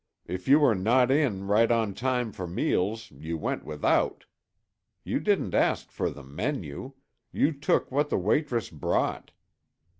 If you were not in right on time for meals, you went without. You didn't ask for the menu; you took what the waitress brought.